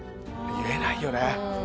言えないよね。